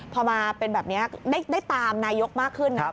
พอมาเป็นแบบนี้ได้ตามนายกมากขึ้นนะ